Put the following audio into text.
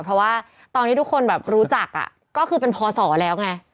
เพราะว่าตอนที่ทุกคนแบบรู้จักก็คือเป็นพศแล้วไง